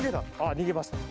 逃げました